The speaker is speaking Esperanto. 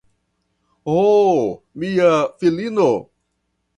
Ho, mia filino!